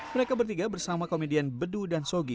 mereka bertiga bersama komedian bedu dan sogi